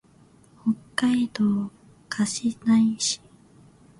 北海道歌志内市